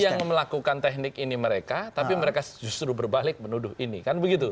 yang melakukan teknik ini mereka tapi mereka justru berbalik menuduh ini kan begitu